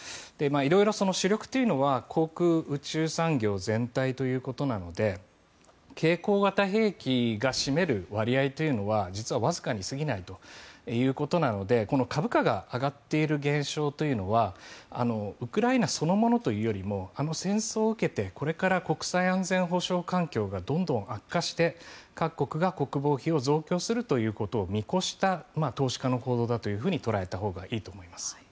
色々、主力というのは航空宇宙産業全体ということなので携行型兵器が占める割合というのは実はわずかにすぎないということなのでこの株価が上がっている現象というのはウクライナそのものというよりあの戦争を受けてこれから国際安全保障環境がどんどん悪化して各国が国防費を増強するということを見越した投資家の行動だと捉えたほうがいいと思います。